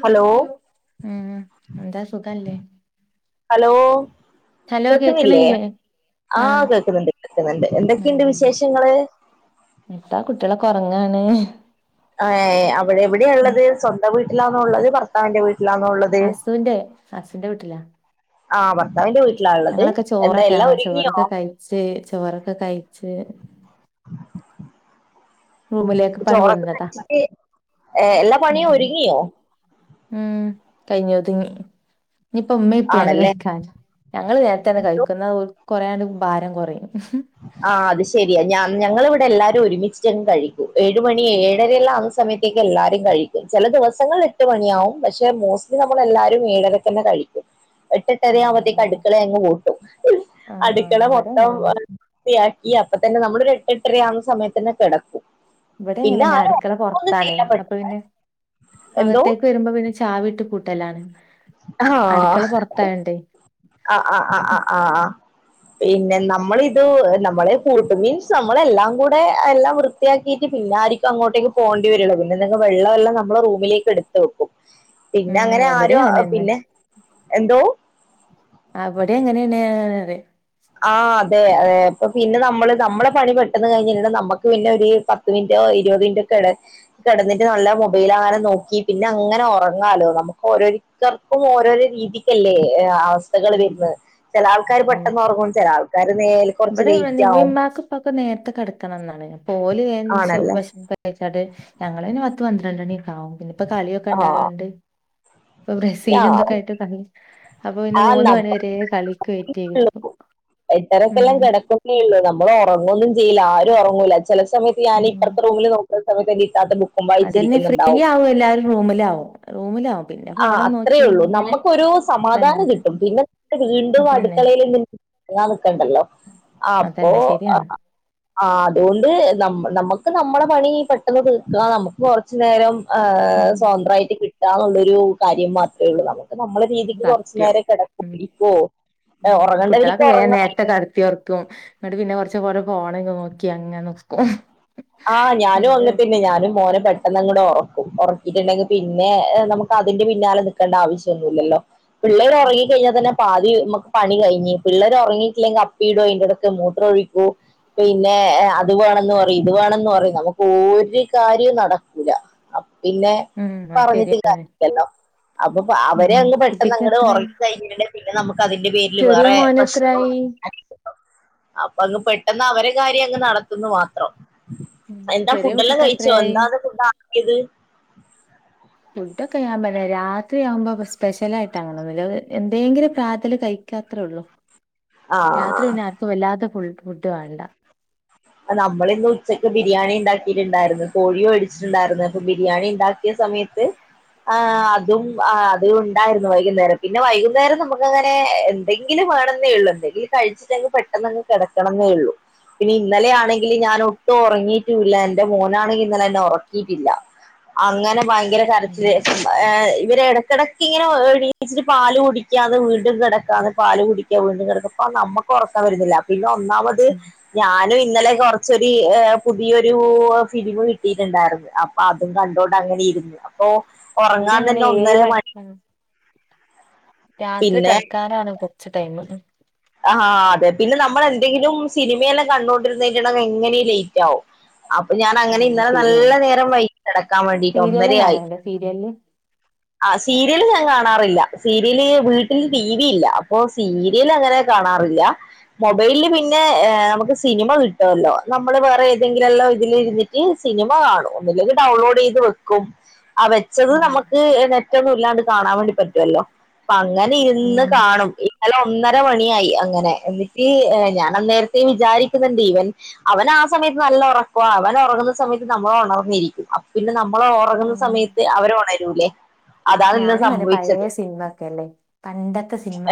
Hello ദസു കല്ലേ hello കേക്കുന്നില്ലേ കേക്കണില്ലേ ആഹ ആഹ് കേക്കുന്നുണ്ട് കേക്കുന്നുണ്ട് എന്തൊക്കെയുണ്ട് വിശേഷങ്ങള് എന്താ കുട്ടികളെ കൊറങ്ങാണ് ഏ അവിടെ എവിടെള്ളത് സ്വന്തം വീട്ടിലാന്നള്ളത് ഭർത്താവിന്റെ വീട്ടിൽ അസുവിന്റെ അസുന്റെ വീട്ടിലാ ആഹ് ഭർത്താവിന്റെ വീട്ടിലാ ഉള്ളത് ഞങ്ങളൊക്കെ എന്താ ചോറൊക്കെ എല്ലാം ആ ഒരുങ്ങിയോ ചോറൊക്കെ കഴച്ച് ചോറൊക്കെ കഴച്ച് റൂമിലേക്ക്െ പണ ചോറൊക്കെ വന്നതാ കഴിച്ചിട്ട് ഏഹ് എല്ലാ പണിയും ഒരുങ്ങിയോ ഉം കൈഞ്ഞോതിങ്ങി ഇനിയിപ്പ ഉമ്മ ഇപ്പയാണ് ആണല്ലേ കഴിക്കാൻ ഞങ്ങള്ൾ നേരത്തെ തന്നെ കഴിക്കുന്നത് കുറയണ്ട് ഭാരം കുറയും ആഹ അത് ശെരിയ ഞാ ഞങ്ങ ഇവിടെ എല്ലാരും ഒരുമിച്ചിട്ട കഴിക്കും ഏഴ മണി ഏഴരയല്ല ആുന്ന സമയത്തേക്ക് എല്ലാരും കഴിക്കും ചില ദിവസങ്ങൾ എട്ട് മണിയാാവും പക്ഷെ മോസ്റ്റ്ലി നമ്മള എല്ലരും ഏഴരക തന്നെ കഴിക്കും എട്ടിട്ടര ആഹ് ആുമ്പഴത്തേക്ക് അങ്ങനെ അടുക്കള അങ്ങ് പൂട്ടും ആഹ് അടുക്കള ഇവിടെ മൊത്തം അങ്ങനെ വയാക്കി അപ്പ തന്നെ നമ്മളൊരു എട്ട്ട്ടരയാവുന്ന സമയത്ത് തന്നെ കിടക്കും ഇവിടെ പിന്നെ എങ്ങനെന്നാ ആരും അടുക്കള ഒന്നും പുൊറത്താണേ ചെയ്യാൻ പറ്റ അപ്പൊ പിന്നെ എന്തോ അകത്തേക്ക് വരുമ്പോ പിന്നെ ചാവി വിട്ട് കൂട്ടലാണ് ആഹ ആഹ ആഹ ആ് ആ് ആഹ് ആഹ പിന്നെ നമ്മളിത് നമ്മളെ ഫൂട്ട് മീൻസ് നമ്മളെല്ലാം കൂടെ എല്ലാം വൃത്തിയാക്കിയിട്ട് പി ഞാരിക്കുംങ്ങോട്ടേക്ക് പോകേണ്ട വരള്ള പിന്നെന്തെ വെള്ളെ നമ്മ റൂമിലേക്ക് എടുത്ത് വെക്കും പിന്നെ ഉം അങ്ങനെ ആര എവിടെ അങ്ങനെന്നെ പിന്നെ എന്തോ അവിടെ അങ്ങനെയണ അ ആഹ അതെ അതെ ഇപ്പ പിന്നെ നമ്മള് നമ്മെ പണി പെട്ടെന്ന് കഴിഞ്ഞ നമമ്മക്ക് പിന്നെ ഒരു പത്ത് മിനിറ്റോ ഇരുപത് മിനെ കിടന്നിട്ട് നല്ല മൊബൈൽ അങ്ങനെ നോക്കി പിന്നെ അങ്ങനെ ഉറങ്ങാാലോ നമുക്ക് ഓോ ും ഓരോരോ രീതിക്കല്ലേ അവസ്ഥകൾ ഉം വ ചില ആൾക്കാർ അതന്നെ പെട്ടെന്ന് ചില ആൾക്കാർ നേരെ കുറച്ച് ഇവിടെ ലേറ്റ് ആവും മീമാക്ക് ഇപ്പൊക്കെ നേരട്ട കിടക്കണം എന്നാണ് പോല ഷ ആണല്ലേ കഴച്ചാട്ട് ഞങ്ങന് പത്ത് പന്ത്രണ്ടണി ആാവും പിന്നെ ഇപ്പൊ കളിയൊക്കെ ആ ഇണ്ടാവണ്ട് ഇപ്പൊ ആ ബ്രസീല എന്തൊക്കെ ആയിട്ട് കളി അപ്പൊ പിന്നെ ആ മൂന്ന മണി വരെ കളിക്ക് വെറ്റ് ചെയ്തു ട്ട ഇ കിടക്കുന്നേ ഉള്ളൂ നമ്മൾ ഉറങ്ങൊന്നും ചെയ്ല്ല ആരും ഉറങ്ങൂില്ല ചില സയത്ത് ഞാന ഉം ഇപ്പറത്തെ റൂമിൽ സമയത്തെീാ അതന്നെ ഫ്രീ ആകും എല്ലാവരും റൂമിലാവും റൂമിലാാവും ആ് അത്രേള്ളൂ നമ്മുക്ക്ൊരു സമാധാനം അതന്നെ കിട്ടും പിന്നെ വീണ്ടും അതന്നെ അടുക്കളയില ണ്ടല്ലോ അപ്പോ അതന്നെ ശരിയാണ് അതുകൊണ്ട് നമുക്ക് നമ്മുടെ പണി പെട്ടെന്ന് തീർക്കുക നമുക്ക് കുറച്ചു നേരം ഹ് ഉം സ്വതന്ത്രമായിട്ട് കിട്ടുകന്നുള്ള ഒരു കാര്യം മാത്രമേ ഉള്ളൂ നമുക്ക് നമ്മളെ രീതിക്ക് കൊറച്ചു നേരം കിടക്കൂ ഇപ്പോ ഉ കുട്ടികളൊക്കെ വേറെ നേരത്തെൊക്കെടുത്തിോർക്കും അങ്ങോട്ട് പിന്നെ കുറച്ച് പച്ച കുറ പോണമെങ്കിൽ നോക്കി അങ്ങനെ നോക്കും ആഹ് ഞാനും അങ്ങ പിന്നെ ഞാനും മോനെ പ ഇ കൂടെ ഉറക്കും ഉറക്കിട്ടുണ്ടെങ്കിൽ പിന്നെ നമുക്ക് അതിന്റെ പിന്നാലെ നിൽക്കേണ്ട ആവശ്യമൊന്നുമല്ലല്ലോ പിള്ളൾറങ്ങിക്കഴിഞ്ഞാൽന്നെ ാതി നമുക്ക് പണി കഴിഞ്ഞി പിള്ളേർ ഉറങ്ങിയിില്ലെങ്കിൽ അപ്പി ഇടോ അതിന്റെടയ്ക്ക് മൂത്രർ ഒഴിക്കോ പിന്നെ അത് വേണെന്ന് പറ അത് വേണെന്ന് പറയും നമുക്ക് ഒരു കാര്യവും നടക്കല പിന്നെ ഉം അത് പറഞ്ഞിട്ട് ശരിയാണ് കാരിയില്ലല്ലോ അപ്പൊ അവര് ഉം അങ്ങ് പെട്ടെന്ന് കുട്ടിക്ക് അങ്ങ ഉറ എത്രായി കഴിഞ്ഞണ്ടേ പിന്നെ നമുക്ക് അതിന്റെ പേരില് ചെറിയ വേറെ മോന് പ്രശ്നങ്ങ എത്രായി അപ്പൊ അങ്ങ് പെട്ടെന്ന് അവര് കാര്യം അങ്ങ് നടത്തുന്നുന്ന് മാത്രം ഉം എന്താ ചെറിയ ഫുഡ് എല്ലാം കുട്ടിക്ക് കഴിച്ചോ എത്രയായി എന്താത ഫ ആണിയത് ഇക്കെെയ ആകുമന്നെ രാത്രിയാവുമ്പോ സ്പെഷ്യല ആയിട്ട്ാങ്ങണ എന്തെങ്കിലും പ്രാതല് കഴിക്കാത്രേ ഉള്ളൂ രാത്രി ആഹ് പിന്നെ ആർക്കും വല്ലാത്ത ഫു ഫുഡ് വേണണ്ട നമ്മളിന്ന് ഉച്ചക്ക് ബിരിയാണി ഉണ്ടാക്കിയിട്ടുണ്ടായിരുന്നു കോഴിവേടിച്ചിട്ടുണ്ടായിരുന്നു അപ്പൊ ബിരിയാണി ഉണ്ടാക്കിയ സമയത്ത് ആ അതും ആ അതും ഉണ്ടായിരുന്നു വൈകുന്നേരം പിന്നെ വൈകുന്നേരം നമുക്ക് അങ്ങനെ എന്തെങ്കിലും വേണെന്നെ ഉള്ളൂ എന്തെങ്കിലും കഴിച്ചിട്ടങ്ങ് പെട്ടെന്നങ്ങ് കിടക്കണെന്നേയുള്ളൂ പിന്നെ ഇന്നലെ ആണെങ്കില് ഞാൻ ഒട്ടും ഉറങ്ങിട്ടൂല്ല എൻ്റെ മോനാണെങ്കിൽ ഇന്നലെ എന്നെ ഉറക്കിയിട്ടില്ല അങ്ങനെ ഭയങ്കര കരച്ചില് [unintelligible] ഇടക്കിടക്ക് ഇങ്ങനെ എണീച്ചിട്ട് പാല് കുടിക്കാ വീണ്ടും കിടക്കാ പാല് കുടിക്ക വീണ്ടും കിടക്ക അപ്പോ നമ്മൾക്ക് ഉറക്കം വരുന്നില്ല പിന്നെ ഒന്നാമത് ഞാൻ ഇന്നലെ കുറച്ചൊരു പുതിയൊരു ഫിലിമ് കിട്ടിട്ടുണ്ടായിരുന്നു അപ്പൊ അതും കണ്ടോണ്ട് അങ്ങനെ ഇരുന്ന് അപ്പൊ ഇവിടെ ഉറങ്ങാൻ അങ്ങനെ തന്നെ ഏഴ് ഒന്നര മണി രാത്രി പിന്നെ കെടക്കാനാണ് കൊറച്ച് ടൈമ് ആഹ് അതെ പിന്നെ നമ്മ നമ്മളെന്തെങ്കിലും സിനിമയെല്ലാം കണ്ടോണ്ടിരുന്നിട്ടുണ്ടെങ്കിൽ എങ്ങനെയും ലേറ്റ് ആകും അപ്പൊ ഞാൻ അങ്ങനെ ആഹ് ഇന്നലെ നല്ല ശരിയാണ് നേരം വൈകി കിടക്കാൻ വേണ്ടിട്ട് സീരിയല് ഒന്നരയായി കാണല്ണ്ടോ സീരിയല് ആ സീരിയല് ഞാൻ കാണാറില്ല സീരിയല് വീട്ടില് ടി വി ഇല്ല അപ്പൊ സീരിയൽ അങ്ങനെ കാണാറില്ല മൊബൈലില് പിന്നെ നമുക്ക് സിനിമ കിട്ടുമല്ലോ നമ്മള് വേറെ ഏതെങ്കിലുമെല്ലാം ഇതിൽ ഇരുന്നിട്ട് സിനിമ കാണും ഒന്നില്ലെങ്കിൽ ഡൗൺലോഡ് ചെയ്ത് വെക്കും ആ വെച്ചത് ഉം നമുക്ക് നെറ്റൊന്നും ഇല്ലാണ്ട് കാണാൻ വേണ്ടി പറ്റുവല്ലോ അപ്പ അങ്ങനെ ഇരുന്ന് ഉം കാണും അല്ല ഒന്നര മണിയായി അങ്ങനെ എന്നിട്ട് ഞാൻ അന്നേരത്തെ വിചാരിക്കുന്നുണ്ട് ഇവൻ അവന ആ സമയത്ത് നല്ല ഉറക്കവാ അവൻ ഉറങ്ങുന്ന സമയത്ത് നമ്മൾ ഉണർന്നിരിക്കും അപ്പൊ പിന്നെ നമ്മ നമ്മള് ഉറങ്ങുന്ന ഉം സമയത്ത് അവര് ഉണരൂല്ലേ അതാണ് ഇന്ന് ഞാനും അല്ല പഴയ സംഭവിച്ചത് [unintelligible] പണ്ടത്തെ സിനിമ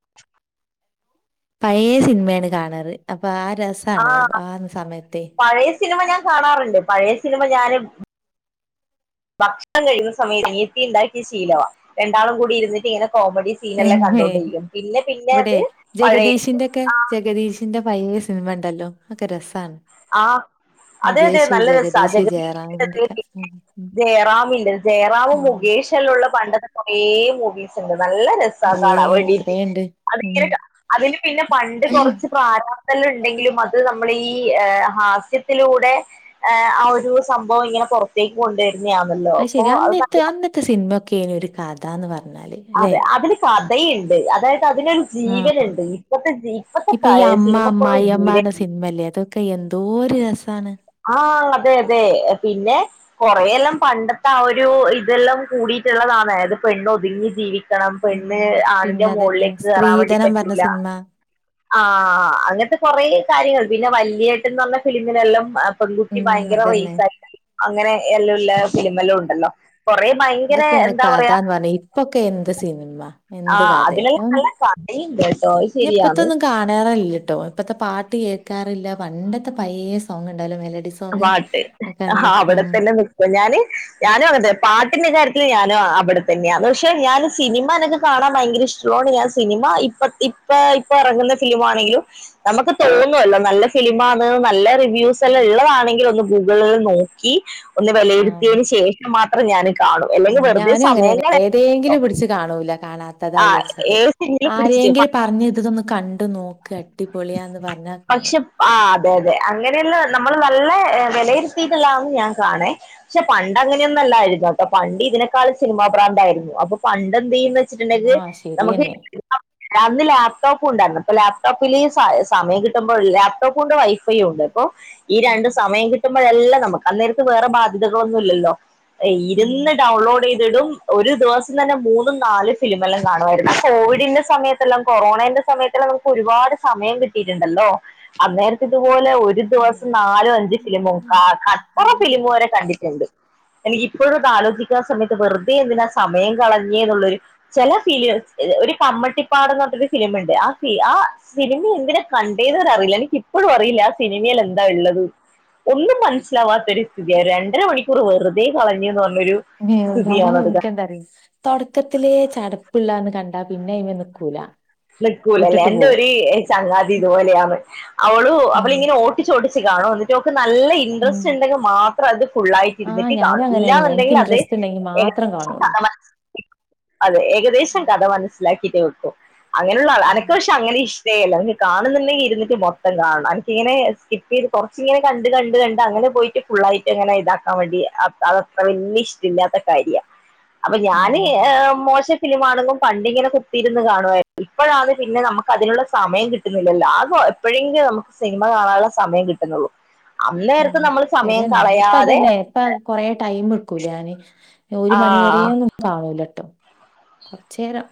[inaudible] പഴയ സിനിമയാണ് കാണാറ് അപ്പൊ ആ രസാണ് ആ സമയത്തെ പഴയ സിനിമ ഞാൻ കാണാറുണ്ട് പഴയ സിനിമ ഞാനും ഭക്ഷണം കഴിക്കുന്ന സമയം അനിയത്തി ഉണ്ടാക്കിയ ശീലമാണ് രണ്ടാളും കൂടി ഇരുന്നിട്ട് ഇങ്ങനെ കോമഡി സീനെല്ലാം കണ്ടോണ്ടിരിക്കും പിന്നെ പിന്നെ ഇവിടെ അത് പഴയത് പയ സിനിമ ഉണ്ടല്ലോ ഒക്കെ രസമാണ് ആ അതെ അതെ നല്ല രസമാണ് ജഗതി ഒക്കെ [unintelligible] ഉം ഉം ജയറാമില്ല ജയറാമും ഉം മുഖേ [unintelligible] ള്ള പണ്ടത്തെ കുറേ മൂവീസ് ഉണ്ട് നല്ല രസാ ഏ കാണാൻ വേണ്ടിട്ട് എത്രയുണ്ട് ഉം അതില് അതില് പിന്നെ പണ്ട് കൊറച്ച് പ്രാര [unintelligible] ഉണ്ടെങ്കിലും അത് നമ്മൾ ഈ ഈ ഹാസ്യത്തിലൂടെ ആ ഒരു സംഭവം ഇങ്ങനെ പുറത്തേക്ക് കൊണ്ട് വരുന്നയാണല്ലോ അപ്പൊ ശരി അത് അന്നത്തെ അന്നത്തെ [unintelligible] സിനിമയൊക്കെയാണ് ഒരു കഥാന്ന് പറഞ്ഞു അതെ അതില് കഥയുണ്ട് അതായത് അതിനൊരു ആ ജീവനുണ്ട് ഇപ്പത്തെ ജ ഇപ്പത്തെ ഇപ്പൊ ഈ [unintelligible] സിനിമക്കൊന്നും ജീവൻ കൈ എന്തൊരു രസമാണ് ആഹ് അതെ അതെ പിന്നെ കൊറെയെല്ലാം പണ്ടത്തെ ആ ഒരു ഇതെല്ലാം കൂടി [unintelligible] ള്ളതാണ് അത് പെണ് ഒതുങ്ങി ജീവിക്ക ണം ഉം പെണ്ണ് ആണിൻ്റെ പിന്നെ അതന്നെ മുകളിലേക്ക് കേറാൻ വേണ്ടി സ്ത്രീധനം പറഞ്ഞ പറ്റില്ല സിനിമ ആ അങ്ങനത്തെ കൊറെ കാര്യങ്ങൾ പിന്നെ വല്യേട്ടൻ എന്ന് പറഞ്ഞ ഫിലിമിനെല്ലാം പെൺകുട്ടി ഉം ഭയങ്കര അതന്നെ റൈസായിട്ട് [unintelligible] അങ്ങനെ എല്ലാം ഉള്ള ഫിലിമെല്ലാം ഉണ്ടല്ലോ കൊറേ ഭയങ്കര അതൊക്കെ ആണ് എന്താ കഥ പറയാ എന്ന് പറഞ്ഞ ഇപ്പൊക്കെ എന്ത് സിനിമ എന്ത് ആഹ് കഥയ അതിലെല്ലാം ഞാൻ നല്ല കഥയുണ്ട് കേട്ടോ അത് ശരിയാണ് ഇപ്പത്തെയൊന്നും കാണാറില്ല കേട്ടോ ഇപ്പഴത്തെ പാട്ട് കേൾക്കാറില്ല പണ്ടത്തെ പയ സോങ് ഉണ്ടല്ലോ മെലഡി സോങ് പാട്ട് ആ ഒക്കെല്ല ഉം അവിടെത്തന്നെ നിക്കും ഞാന് ഞാനും അങ്ങനെത്തന്നെ പാട്ടിന്റെ കാര്യ ത്തിൽ ഞാനും അവിടെ തന്നെയാണ് പക്ഷെ ഞാൻ സിനിമ എനിക്ക് കാണാൻ ഭയങ്കര ഇഷ്ടമുള്ളോണ്ട് ഞാന് സിനിമ ഇപ്പ ഇപ്പ ഇപ്പൊ ഇറങ്ങുന്ന ഫിലിം ആണെങ്കിലും നമുക്ക് തോന്നുവല്ലോ നല്ല ഫിലിമാന്ന് നല്ല റി വ്യൂസ്സ്ള്ളെള്ളതാണെങ്കിലൊന്ന് ഗൂഗിളൊന്ന്നോക്കി വിലയിരുന്നതിയതിനു ശേഷം മാത്രം കാണും ആ അല്ലെങ്കിൽ വെറുതെ ഞാനും സമയം അങ്ങനെന്നെ കളയാൻ ഏതേങ്കിലും പിടിച്ച് കാണൂല കാണാത്തതാ ആ വിചാരിച്ചിട്ട് ഏത് സിനിമയിലും ആ പിടിച്ചിട്ട് എങ്കിലിപറഞ്ഞതിലൊന്ന് കണ്ടു നോക്ക് അട്ടിപൊളിയാന്ന് പറഞ്ഞാ കാണു പക്ഷെ ആ അതെ അങ്ങനെയുള്ള നമ്മള്മാ ല്ലെ വെലയിരുത്തിയിട്ടില്ലാന്ന് ഞാൻ കാണെ പക്ഷെ പണ്ടങ്ങനെയൊന്നല്ലായിരുന്നുട്ടോ പണ്ട്തിനേക്കായും സിനിമാഭ്രാന്തായിരുന്നു അപ്പൊ പണ്ട് എന്തൈനി വെച്ചിട്ടുണ്ടെങ്കി ആഹ് നമ്മക്ക് ശരിയന്നെ [unintelligible] അന്ന് ലാപ്ടോപ്പ്ണ്ടായിരുന്നു പ്പൊ ലാപ്ടോപ്പില് സമ സമയംകിട്ടുമ്പോ ലാപ്ടോപ്പുണ്ട് വൈഫൈയൂണ്ട് ഹൊ ഈ രണ്ട് സമയംകിട്ടുമ്പോഴല്ലാം നമുക്ക് അന്നേര്ത്തെ വേറെ ബാധ്യതകളൊന്നും ഇല്ലല്ലോ ഉം ഇരുന്ന് ഡൗൺലോഡെയ്ത് ടും ഒരു ദിവസംതന്നെ മൂന്നും നാല് ഫിലിമെല്ലാം കാണുമായിരുന്നു കോവിഡിന്റെ സമയത്തെല്ലാം കൊറോണ സമയത്ത് നമുക്ക് ഒരുപാട് സമയം കിട്ടീട്ടുണ്ടല്ലോ അന്നേരത്തത് അതുപോലെ ഒരു ദിവസം നാലും അഞ്ച് ഫിലിമും ക കച്ചറ ഫിലിമുംവരെ കണ്ടിട്ടുണ്ട് എനിക്കിപ്പോഴതാലോചിക്കാ സമയത്ത് വെറുതേന്തിനാ സമയം കളഞ്ഞേനുള്ളരു ചെല ഫീലേ ഒരു കമ്മട്ടിപ്പാട്ന്ന്റഞ്ഞിട്ടൊരു ഫിലീമ്ണ്ട് ആ ഫീ ആ സിനിമ എന്തിനാ കണ്ടേന്ന് വരെഅറിയില്ല എനിക്ക് ഇപ്പോഴും അറിയില്ല ആ സിനിമയിലെന്ത് എന്താ ഉള്ളത് ഒന്നും മനസ്സിലാവാത്തൊരുസ്ഥിതിയാ രണ്ടര മണിക്കൂര് വെറുതെ കളഞ്ഞീന് പറഞ്ഞ [unintelligible] ൻക്കന്തറിയോ തൊടക്കത്തിലേ ചടപ്പ്ള്ളാന്ന് കണ്ടാ പിന്നൈമെ നിക്കൂല നിക്കൂലല്ലേ വിട്ടിട്ട് എന്റെ പോവും ഒര് ചങ്ങാതി ഇതുപോലെയാണ് അവളു അപ്പളി ഉം ങ്ങനെ ഓട്ടിച്ചോട്ട് ഓടിച്ചു കാണും ന്നിട്ടോക്ക്ന്ന് നല്ല ഉം ഇൻട്രസ്റ്റ്ണ്ടെങ്കെ മാത്രം അത് ആഹ് ഫുള്ളായിട്ടിര്ന്നിട്ട് ഞാനും കാണും ഇല്ലാ അങ്ങനെന്നെ ന്നുണ്ടെങ്കി എനിക്ക് അത് ഇൻട്രസ്റ്റ് ഇണ്ടെങ്കി ഏ മാത്രം കാണുള്ളൂ കഥ മന് അതെ ഏകദേശം കഥ മനസ് ലാക്കീട്ടു വെക്കും അങ്ങനുള്ളാള ഉം അനക്ക്പക്ഷെ അങ്ങനെഷ് ല്ല നി കാണുന്നെങ്കിൽ ഇരുന്ന്ട്ട് മൊത്തം കാണണം ഇടക് ഇങ്ങനെ സ്കിപ്പയ്ത് കൊറച്ചിങ്ങനെ കണ്ട് കണ്ട് കണ്ട് അങ്ങനെ പോയിട്ട് ഫുള്ളായിട്ട്ങ്ങനെ ഇതാക്കാവേണ്ടി അത് അതത്ര വല്യ ഇഷ്ടല്ലാത്ത കാര്യ അപ്പൊ ഞാന് ഉം ഏ മോശംഫിലിമാണെന്നും പണ്ടിങ്ങനെ കുത്തിയിരുന്ന് കാണുവായിരു ഇപ്പഴാണ് പിന്നെ നമ്മക്കതിനുള്ള സമയംകിട്ടുന്നില്ലല്ലോ അതോ എപ്പോഴേങ്കിലും നമുക്ക്സിനിമ കാണാനുള്ള സമയം കിട്ടുന്നുള്ളൂ ഉ അന്നേരത്ത് നമ്മൾ സമയം ശരിയന്നെ കളയാതെ ഇപ്പതന്നെ ഇപ്പ കൊറേ ടൈം ക്കൂലാന് ഒരു ആ മണിവരെംന്നും കാണൂലട്ടോ കൊറ്ച്ചേരം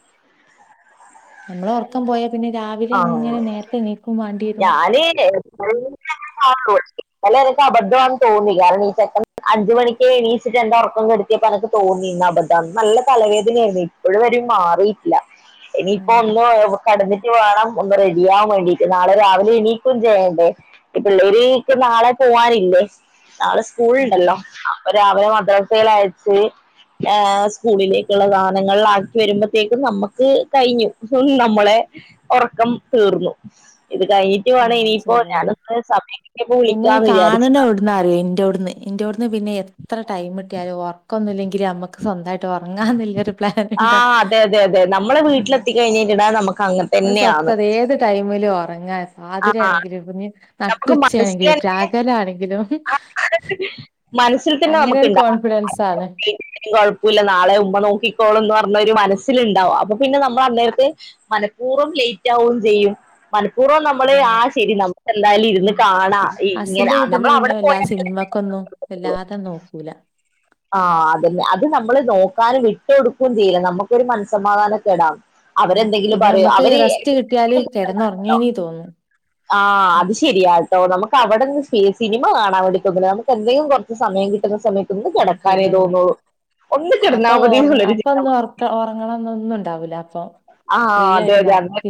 നമ്മളെ ഒറക്കം പോയാപിന്നെ ആ രാവിലെങ്ങനെ നേരത്തെ എനീക്കും വാണ്ടേരും [inaudible] [unintelligible] അല്ലനിക്ക് അബദ്ധാന്ന് തോന്നി കാരണ ഈ ചെക്കൻ അഞ്ച്മണിക്ക് എണീച്ചിട്ട് എൻ്റെ ഒറ്ക്കം കെട് പ്പനക്ക്തോന്നിഅബദ്ധാന് നല്ല തലവേദനായിരുന്നു ഇപ്പോഴുംവരും മാറീട്ടില്ല ഇനിയിപ്പോ ഒന്ന് ഉം ഓലെ കടന്നിട് വേണം ഒന്ന് റെഡിയാവാവേണ്ടിട്ട് നാളെരാവിലെ എണീക്കും ചെയ്യെണ്ടേ പിന്നെ പിള്ളേര് നാളെ പോവാനില്ലേ നാളെ ഉം ഉം സ്കൂള്ണ്ടല്ലോ അപ്പൊ രാവിലെ മദ്രസെലയച്ച് ഏ സ്കൂളിലേക്കുള്ള സാനങ്ങളാക്കി വരുമ്പത്തേക്കും നമ്മക്ക് കഴിഞ്ഞു നമ്മളെ ഒറക്കം തീർന്നു എന്നീട്ട് വേണം ഇനിയിപ്പോ ശരിയെന്നെ ഞാനൊന്ന് [unintelligible] പിന്നെ വിളിക്കാന്ന് കാണ് വിചാരിച്ചതാ ണവ്ടുന്നാറിയോ ഇൻ്റോട്ന് ഇൻ്റോട്ന് പിന്നെ എത്ര ടൈംട്ടിയാലും ഒറക്ക ഒക്കൊന്നുല്ലങ്കില് നമ്മക്ക് സ്വന്തായിട്ട് ഒറങ്ങാന്ന്ല്ലൊരു പ്ലാൻ ആ ഉണ്ടാവും അതെ അതെ അതെ നമ്മളെ ഉം. വീട്ടിലെത്തിക്കഴിഞ്ഞയ്ഞ്ഞാ നമ്മക്കങ്ങെൻതന്നെയാണ് ഒറങ്ങാ സാധൃദാണെങ്കിൽ കുഞ്ഞ് നമുക്ക് മനസ്സിൽ നട്ടുച്ചയ്ണെങ്കിലും തന്നെ പാകലാണെങ്കിലും മനസ്സിൽ തന്നെ നമുക്ക്ണ്ടാവ [unintelligible] കൊഴപ്പല്ല നാളെ ഉമ്മ നോക്കിക്കോളുന്ന് പറഞ് എന്നൊരു മനസ്സിലുണ്ടാവും അപ്പൊ പിന്നെ നമ്മള അന്നേര്ത്ത് മനഃപൂർവ്വം ലേറ്റാവും ചെയ്യും മനപ്പൂർവംനമ്മള് ആ ശരി നാ മ് ഹസ്സിന്റെ വീട്ടീന്ന് നമ്മൾ അവിടെ പിന്നെവല്ലാതെ പോയാൽ സിനിമക്കൊന്നും വല്ലാതെ നോക്കൂല ആ അതെന്നെ അത് നമ്മള് നോക്കാനും വിട്ടൊടുക്കുംചെയ്യും നമ്മക്കൊരു മനസ്സമാധാനക്കേടാണ് ഉ അവരെന്തെങ്കിലും പിന്നെ പറയും നമ്മുക്ക് അവര് റെസ്റ്റ് കിട്ടിയാല് കിടന്നുറങ്ങിയേന തോന്നു ആഹ അത് ശരിയാ അ നമുക്ക് അവിടെന്ന് സിനമ കാണാൻ വേണ്ടി തോന്നുല്ല നമുക്ക് എന്തങ്കിലും കുറച്ച് സമയം കിട്ടുന്ന സമയത്തൊന്ന് കിടക്കാൻ ശരിയന്നെ അപ്പൊ മതി ഓർ എന്നുള്ളൊരു അപ്പൊ ചിന്ത ഒന്നുംഓക്ക ഓർങ്ങണന്ന ഒന്നും ഉണ്ടാവൂല്ല ആ അതെ അതെ അന്നേ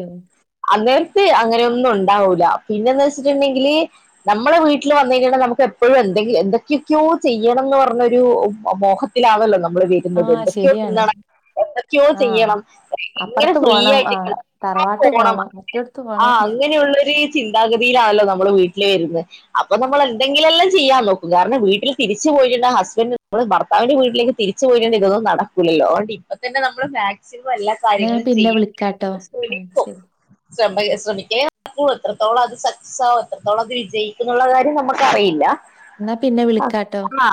അന്നേ അങ്ങനെയൊന്നും ഉണ്ടാവൂല്ല പിന്നെന്ന് വെച്ചിട്ടുണ്ടെങ്കിൽ നമ്മുടെ വീട്ടിൽ വന്നിട്ടുണ്ടങ്ക നമുക്ക് എപ്പോഴും എ എന്തെ എന്തൊക്കെയൊക്കെയോ ചെയ്യണം എന്ന് പറഞ്ഞൊരു മോഹത്തിലാവല്ലോ ന മ്മ വരുന്നത് ആഹ് എന്തൊക്കെയോ ശരിയാണ് തിന്നണം എന്തൊക്കെയോ ആഹ് ചെയ്യണം എങ്ങനെ അപ്പറത്ത് ഫ്രീ പോണം ആയിട്ട ആഹ് തറവാട്ട് പോണം മറ്റോടത്ത് ആ പോണം അങ്ങനെയുള്ളരു ചിന്താഗതിയിലാണ് നമ്മള് വീട്ടിൽ വീട്ടിൽ വരുന്നത് അപ്പൊ നമ്മൾ എന്തെങ്കിലെല്ലാം ചെയ്യാൻ നോക്കും കാരണം വീട്ടിൽ തിരിച്ചു പോയിട്ട ആ ഹസ്ബൻഡ് ഭർത്താവ്ന്റെ വീട്ടിലേക്ക് തിരിച്ചു പോയിട്ടുണ്ട് ഇതൊന്നും നടക്കൂല്ലോ അണ്ട് ഇപ്പ തന്നെ നമ്മള് മാക്സിമം എന്നാ ഞാൻ കാര്യങ്ങളും പിന്നെ ചെയ്യാൻ വിളിക്കാട്ടോ ഉം ശ്രമിക്കും ശരി ശ്രമിക്ക എത്രത്തോളം അത് സക്സസ് ആകും എത്രത്തോളം അത് വിജയിക്കും എന്നുള്ള കാര്യം നമുക്കറിയില്ല എന്നാ പിന്നെ വിളിക്കാട്ടോ ആ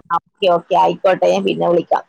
ഓഓക്കെ ആയിക്കോട്ടെ ഞാൻ പിന്നെ വിളിക്കാം